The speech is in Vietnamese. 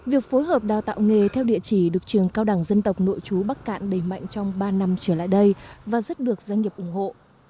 việc phối hợp đào tạo nghề theo địa chỉ được trường cao đẳng dân tộc nội chú bắc cạn đẩy mạnh trong ba năm trở lại đây và rất được doanh nghiệp ủng hộ